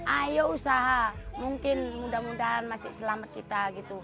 ayo usaha mungkin mudah mudahan masih selamat kita